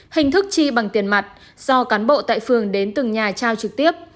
hình thức chi bằng tiền mặt do cán bộ tại phường đến từng nhà trao trực tiếp